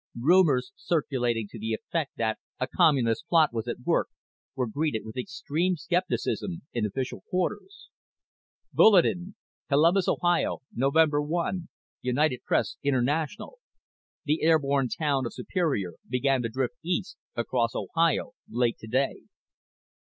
_ _Rumors circulating to the effect that a "Communist plot" was at work were greeted with extreme scepticism in official quarters._ BULLETIN _COLUMBUS, Ohio, Nov. 1 (UPI) The airborne town of Superior began to drift east across Ohio late today.